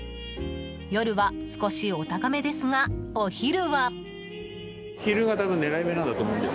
夜は、少しお高めですがお昼は。